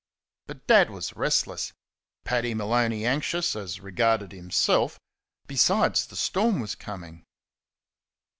But Dad was restless; Paddy Maloney anxious (as regarded himself); besides, the storm was coming.